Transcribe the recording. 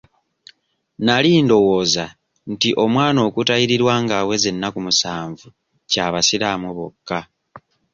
Nali ndowooza nti omwana okutayirirwa nga aweza ennaku musanvu kya basiraamu bokka.